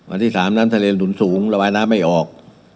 อันที่สามน้ำทะเลลุนสูงระบายน้ำไม่ออก